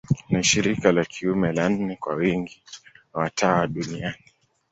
Ni shirika la kiume la nne kwa wingi wa watawa duniani.